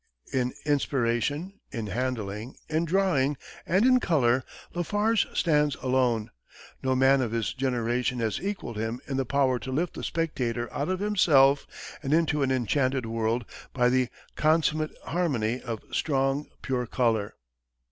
In inspiration, in handling, in drawing, and in color, LaFarge stands alone. No man of his generation has equalled him in the power to lift the spectator out of himself and into an enchanted world by the consummate harmony of strong, pure color.